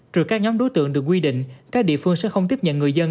trừ các nhóm đối tượng được quy định các địa phương sẽ không tiếp nhận người dân